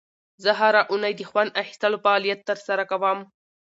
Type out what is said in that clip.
زه هره اونۍ د خوند اخیستلو فعالیت ترسره کوم.